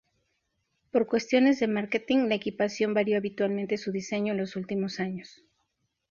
Por cuestiones de "marketing" la equipación varió habitualmente su diseño en los últimos años.